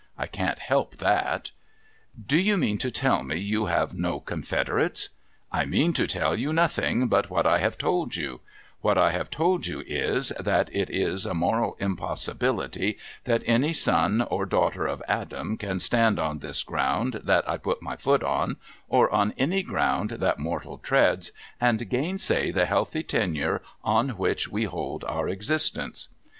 I can't help that.' ' Do you mean to tell me you have no confederates ?'' I mean to tell you nothing but what I have told you, ^^llat I have told you is, that it is a moral impossibility that any son or daughter of Adam can stand on this ground that I put my foot on, or on any ground that mortal treads, and gainsay the healthy tenure on which we hold our existence.'